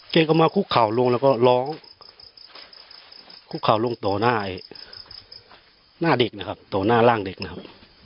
แกก็มาคุกเข่าลงแล้วก็ร้องคุกเข่าลงต่อหน้าเด็กนะครับต่อหน้าร่างเด็กนะครับ